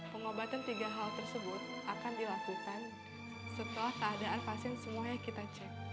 pengobatan tiga hal tersebut akan dilakukan setelah keadaan pasien semuanya kita cek